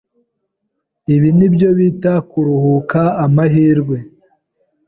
Ibi nibyo bita kuruhuka amahirwe.